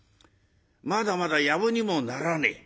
「まだまだやぶにもならねえ。